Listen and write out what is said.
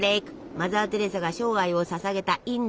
マザー・テレサが生涯をささげたインド！